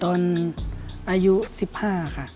ตอนอายุ๑๕ค่ะ